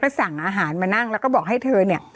สั่งอาหารมานั่งแล้วก็บอกให้เธอเนี่ย